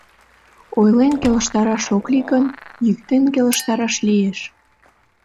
Ойлен келыштараш ок лий гын, йӱктен келыштараш лиеш.